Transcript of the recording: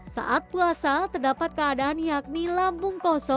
saat puasa terdapat keadaan yakni lambung kosong dan turunnya gula darah